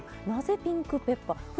なぜピンクペッパー？